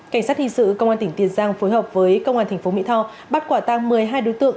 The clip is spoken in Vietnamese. cảnh sát hình sự công an tỉnh tiền giang phối hợp với công an tp mỹ tho bắt quả tăng một mươi hai đối tượng